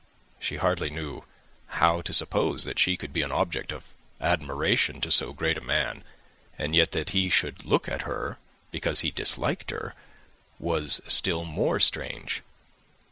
She hardly knew how to suppose that she could be an object of admiration to so great a man, and yet that he should look at her because he disliked her was still more strange.